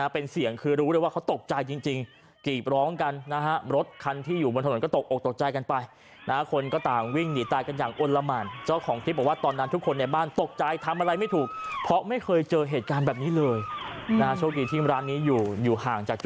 เป็นเสียงคือรู้ได้ว่าเขาตกใจจริง